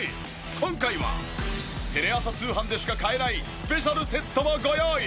今回はテレ朝通販でしか買えないスペシャルセットもご用意。